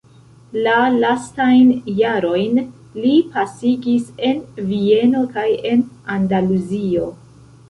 La lastajn jarojn li pasigis en Vieno kaj en Andaluzio.